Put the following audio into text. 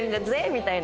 みたいな。